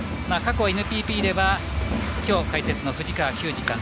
過去ＮＰＢではきょう解説の藤川球児さん